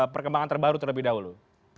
perkembangan terbaru terlebih dahulu